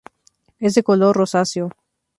Es de color rosáceo.